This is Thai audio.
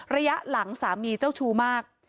ระยะหลังสามีเจ้าชู้มาก